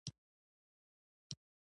افغانستان په ښتې غني دی.